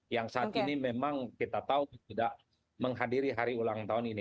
yang saat ini memang kita tahu tidak menghadiri hari ulang tahun ini